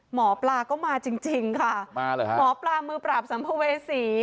หมอปลาก็มาจริงค่ะหมอปลามือปราบสัมภเวษี